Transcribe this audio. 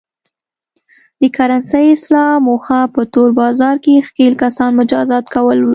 د کرنسۍ اصلاح موخه په تور بازار کې ښکېل کسان مجازات کول و.